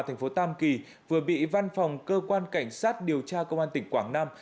thành phố tam kỳ vừa bị văn phòng cơ quan cảnh sát điều tra công an tỉnh quảng nam